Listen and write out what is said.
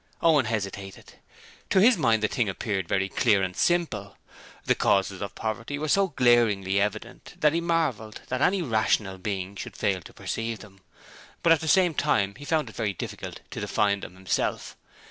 Owen hesitated. To his mind the thing appeared very clear and simple. The causes of poverty were so glaringly evident that he marvelled that any rational being should fail to perceive them; but at the same time he found it very difficult to define them himself.